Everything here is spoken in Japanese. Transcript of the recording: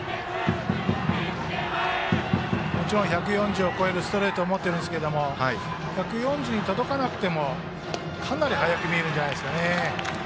もちろん１４０を超えるストレートも持っていますが１４０に届かなくてもかなり速く見えるんじゃないんですかね。